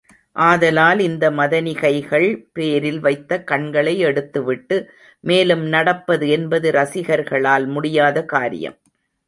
ஆதலால் இந்த மதனிகைகள் பேரில் வைத்த கண்களை எடுத்து விட்டு மேலும் நடப்பது என்பது ரசிகர்களால் முடியாத காரியம்.